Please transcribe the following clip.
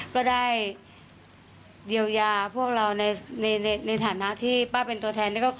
ก็ได้เยียวยาพวกเราในฐานะที่ป้าเป็นตัวแทน